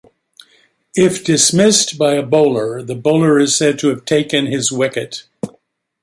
If dismissed by a bowler, the bowler is said to have "taken his wicket".